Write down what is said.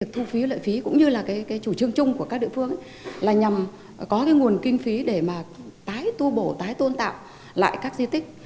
thu phí lợi phí cũng như là cái chủ trương chung của các địa phương là nhằm có cái nguồn kinh phí để mà tái tu bổ tái tôn tạo lại các di tích